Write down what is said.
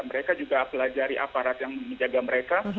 mereka juga pelajari aparat yang menjaga mereka